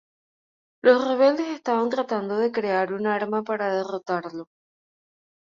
Los rebeldes estaban tratando de crear un arma para derrotarlo.